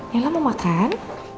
yalah mau makan